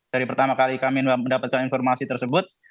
dari pertama kali kami mendapatkan informasi tersebut